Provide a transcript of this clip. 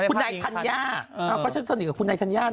คุณนายธัญญาก็ฉันสนิทกับคุณนายธัญญานะ